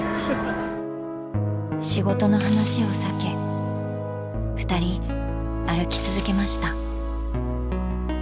仕事の話を避けふたり歩き続けました。